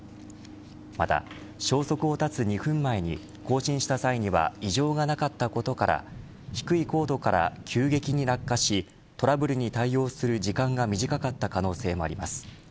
また、消息を絶つ２分前に交信した際には異常がなかったことから低い高度から急激に落下しトラブルに対応する時間が短かった可能性もあります。